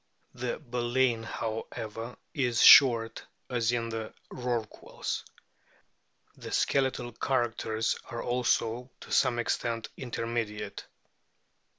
The baleen, however, is short as in the Rorquals. The skeletal characters are also to some extent intermediate.